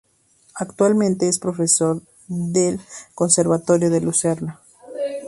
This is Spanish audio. Actualmente es profesor del conservatorio de Lucerna.